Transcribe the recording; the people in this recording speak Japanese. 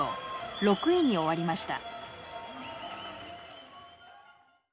６位に終わりました。